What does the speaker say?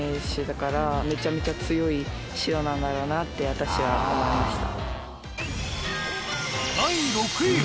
私は思いました。